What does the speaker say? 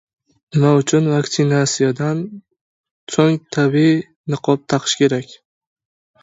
Nima uchun vaksinasiyadan so‘ng tibbiy niqob taqish kerak?